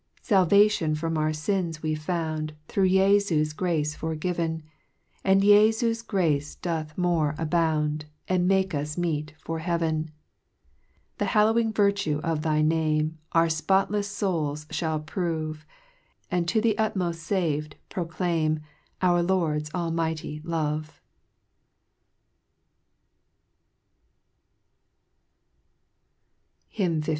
13 ) 5 Salvation from our fins we found, Through Jefu's grace forgiv'n ; And Jefu's grace doth more abound, And makes us meet for heaven. 6 The hallowing virtue of thy Name, Our fpotlefs fouls fliajl prove ; And to the utmoft fav'd, proclaim, Our Lord's almighty love. HYMN XV.